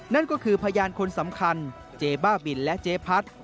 นั่นก็คือพยานคนสำคัญเจ๊บ้าบินและเจ๊พัด